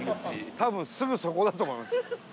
多分すぐそこだと思いますよ。